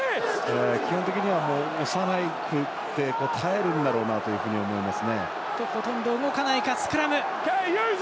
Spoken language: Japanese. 基本的には押さないで耐えるんだろうなと思います。